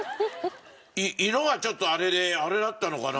色がちょっとあれであれだったのかな？